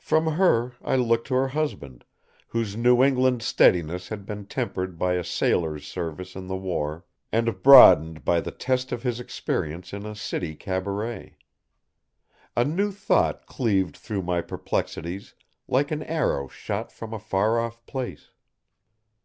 From her, I looked to her husband, whose New England steadiness had been tempered by a sailor's service in the war and broadened by the test of his experience in a city cabaret. A new thought cleaved through my perplexities like an arrow shot from a far off place.